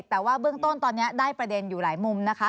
แต่ว่าเบื้องต้นตอนนี้ได้ประเด็นอยู่หลายมุมนะคะ